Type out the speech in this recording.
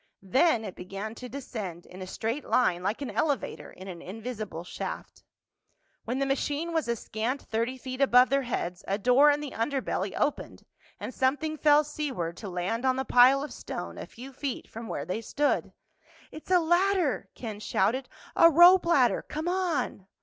Then it began to descend in a straight line like an elevator in an invisible shaft. When the machine was a scant thirty feet above their heads a door in the underbelly opened and something fell seaward to land on the pile of stone a few feet from where they stood. "It's a ladder!" Ken shouted. "A rope ladder! Come on!"